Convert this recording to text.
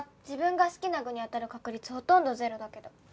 自分が好きな具に当たる確率ほとんどゼロだけど。